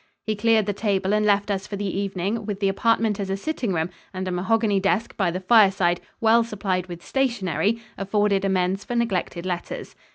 He cleared the table and left us for the evening with the apartment as a sitting room, and a mahogany desk by the fireside, well supplied with stationery, afforded amends for neglected letters.